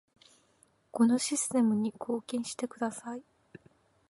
このシステムに貢献してください